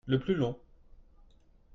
Le plus long.